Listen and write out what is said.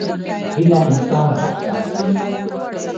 هیله انسان هڅو ته هڅوي.